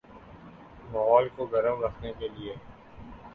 ماحول کو گرم رکھنے کے لئے